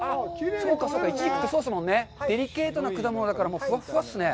そうかそうか、いちじくって、そもそもデリケートな果物だから、ふわふわっすね。